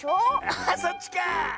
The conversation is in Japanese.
あそっちか！